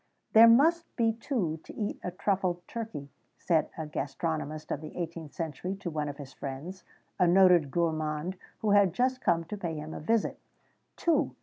"There must be two to eat a truffled turkey," said a gastronomist of the 18th century, to one of his friends a noted gourmand who had just come to pay him a visit. "Two!"